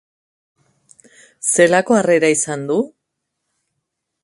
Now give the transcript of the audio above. Zelako harrera izan du?